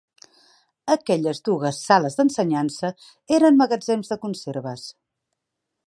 Aquelles dugues sales d'ensenyança eren magatzems de conserves.